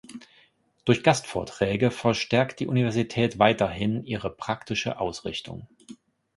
Durch Gastvorträge verstärkt die Universität weiterhin ihre praktische Ausrichtung.